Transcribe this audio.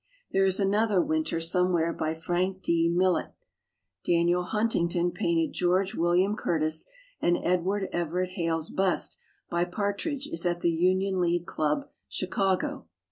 There is another Winter somewhere by Frank D. Millet. Daniel Hunting ton painted George William Curtis and Edward Everett Hale's bust by Part ridge is at the Union League Club, Chicago.